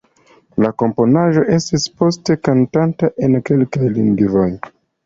La komponaĵo estis poste kantata en kelkaj lingvoj.